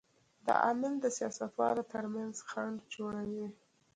دا عامل د سیاستوالو تر منځ خنډ جوړوي.